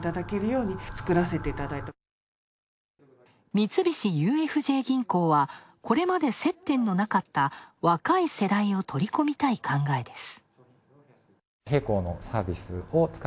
三菱ＵＦＪ銀行は、これまで接点のなかった若い世代を取り込みたい考えです。